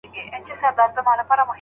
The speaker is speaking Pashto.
پرېکړې د استادانو لخوا نیول کېږي.